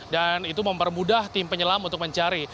dan itu mempermudah tim penyelam untuk mencari